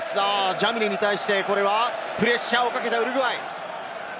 ジャミネに対してプレッシャーをかけたウルグアイ。